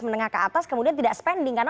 menengah ke atas kemudian tidak spending karena